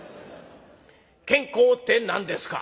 「健康って何ですか？」。